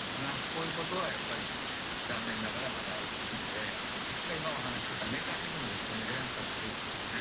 こういうことはやっぱり残念ながらまだありますので今お話ししたメカニズムですよね連鎖するっていうね